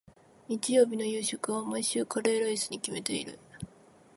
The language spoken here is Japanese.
日曜日の夕食は、毎週カレーライスに決めている。